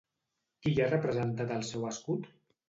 Qui hi ha representat al seu escut?